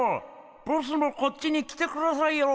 ボスもこっちに来てくださいよ。